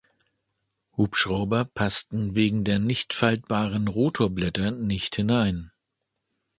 Hubschrauber passten wegen der nicht faltbaren Rotorblätter nicht hinein.